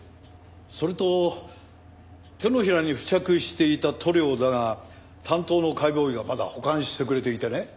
それと手のひらに付着していた塗料だが担当の解剖医がまだ保管してくれていてね。